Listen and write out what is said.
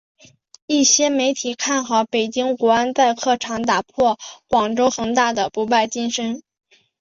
一些媒体看好北京国安在客场打破广州恒大的不败金身。